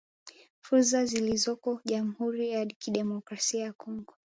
fursa zilizoko jamhuri ya kidemokrasia ya Kongo